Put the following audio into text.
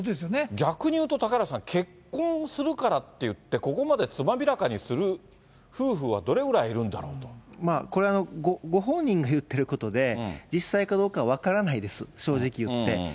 逆にいうと嵩原さん、結婚するからっていって、ここまでつまびらかにする夫婦は、どれぐらいこれ、ご本人が言っていることで、実際かどうかは分からないです、正直いって。